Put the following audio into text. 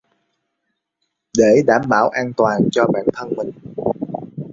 Để bảo đảm an toàn cho bản thân mình